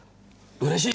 うれしい！